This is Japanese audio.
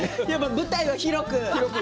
舞台、広く。